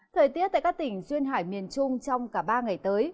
thời tiết tại các tỉnh duyên hải miền trung trong cả ba ngày tới